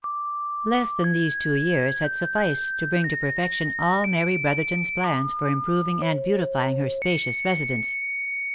Less than these two years had sufficed to bring to perfection all Mary Brotherton's plans for improving and beautifying her spacious residence.